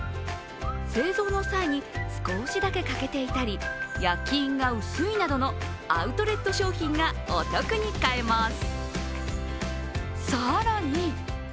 製造の際に少しだけ欠けていたり、焼き印が薄いなどのアウトレット商品がお得に買えます。